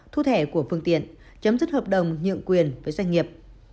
thu thẻ của phương tiện chấm dứt hợp đồng nhượng quyền với doanh nghiệp